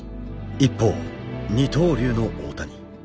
一方二刀流の大谷。